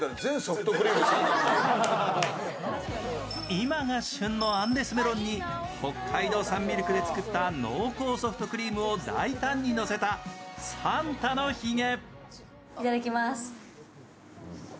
今が旬のアンデスメロンに北海道産ミルクで作った濃厚ソフトクリームを大胆にのせたサンタのヒゲ。